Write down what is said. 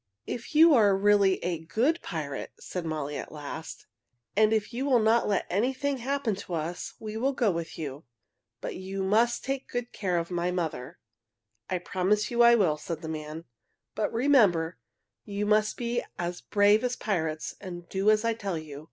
"If you are really a good pirate," said Molly at last, "and if you will not let anything happen to us, we will go with you. But you must take good care of my mother." "I promise you I will," said the man. "But remember, you must be as brave as pirates and do as I tell you.